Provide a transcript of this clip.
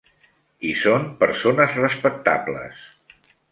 I són persones respectables.